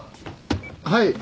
はい？